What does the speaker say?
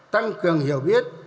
tăng cường hiểu biết